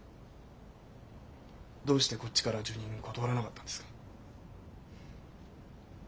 どうしてこっちから受任を断らなかったんですか？